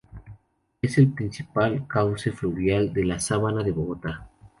Es el principal cauce fluvial de la sabana de Bogotá.